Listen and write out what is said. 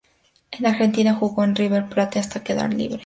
En Argentina jugó en River Plate hasta quedar libre.